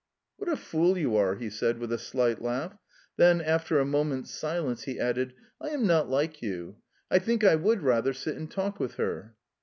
"What a fool you are!" he said with a slight laugh. Then, after a moment's silence he added: "I am not like you. I think I would rather sit and talk with her."